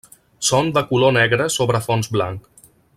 Són de color negre sobre fons blanc.